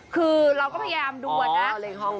คือเราก็พยายามดูอะนะ